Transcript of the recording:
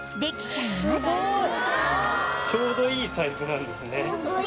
ちょうどいいサイズなんですね。